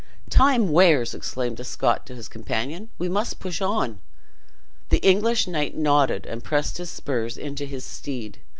"Time wears!" exclaimed the Scot to his companion; "we must push on." The English knight nodded, and set his spurs into his steed.